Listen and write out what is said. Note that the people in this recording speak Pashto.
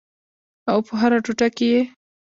او په هره ټوټه کې یې